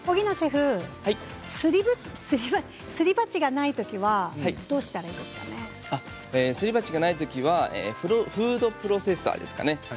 すり鉢がないときはすり鉢がないときはフードプロセッサーですかね